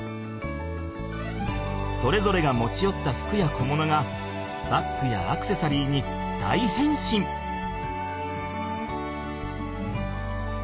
それぞれが持ちよった服や小物がバッグやアクセサリーに大へんしん！